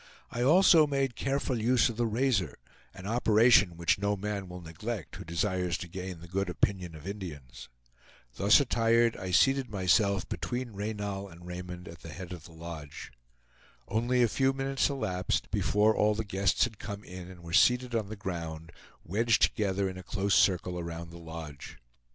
I also made careful use of the razor, an operation which no man will neglect who desires to gain the good opinion of Indians. Thus attired, I seated myself between Reynal and Raymond at the head of the lodge. Only a few minutes elapsed before all the guests had come in and were seated on the ground, wedged together in a close circle around the lodge.